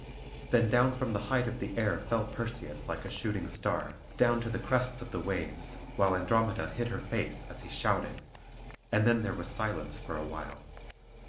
Then down from the height of the air fell Perseus like a shooting star; down to the crests of the waves, while Andromeda hid her face as he shouted; and then there was silence for a while.